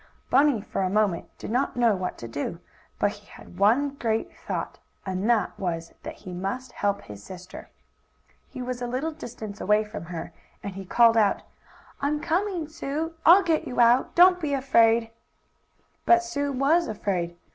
Bunny, for a moment, did not know what to do, but he had one great thought, and that was that he must help his sister. He was a little distance away from her, and he called out: "I'm coming, Sue! I'll get you out! Don't be afraid!" But Sue was afraid.